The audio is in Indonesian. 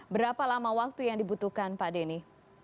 berapa lama waktu yang dibutuhkan pak denny